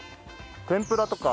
天ぷらとか。